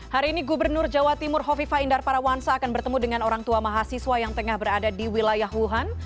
hari ini gubernur jawa timur hovifa indar parawansa akan bertemu dengan orang tua mahasiswa yang tengah berada di wilayah wuhan